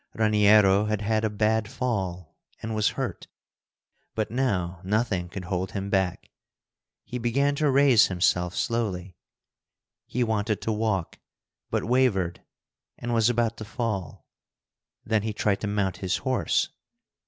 Raniero had had a bad fall, and was hurt. But now nothing could hold him back. He began to raise himself slowly. He wanted to walk, but wavered, and was about to fall. Then he tried to mount his horse.